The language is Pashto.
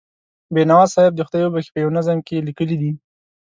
بینوا صاحب دې خدای وبښي، په یوه نظم کې یې لیکلي دي.